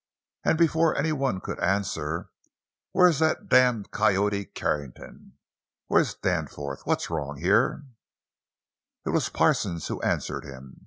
And before anyone could answer—"Where's that damned coyote Carrington? Where's Danforth? What's wrong here?" It was Parsons who answered him.